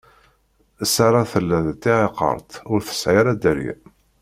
Ṣara tella d tiɛiqert, ur tesɛi ara dderya.